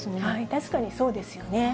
確かにそうですよね。